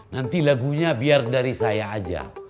nanti lagunya biar dari saya aja